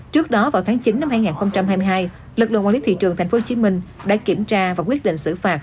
trước đó vào tháng chín năm hai nghìn hai mươi hai lực lượng quản lý thị trường tp hcm đã kiểm tra và quyết định xử phạt